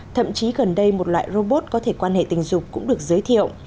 thậm chí gần đây một loại robot có thể quan hệ tình dục cũng được giới thiệu